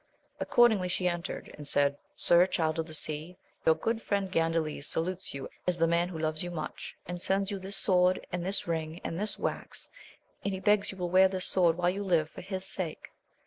Accordingly she entered, and said, Sir Child of the Sea, your good friend Gandales salutes you as the man who loves you much, and sends you this sword, and this ring, and this wax, and he begs you will wear this sword while you live for his sake.